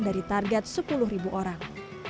dari target sepuluh orang